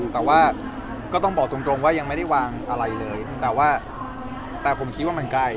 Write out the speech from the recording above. แต่ว่าก็ต้องบอกตรงว่ายังไม่ได้วางอะไรเลยแต่ว่าแต่ผมคิดว่ามันใกล้